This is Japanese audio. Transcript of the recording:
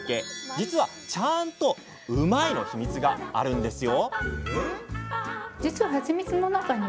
実はちゃんと「うまい」の秘密があるんですよ